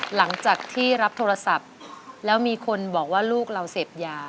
หลังจากที่รับโทรศัพท์แล้วมีคนบอกว่าลูกเราเสพยา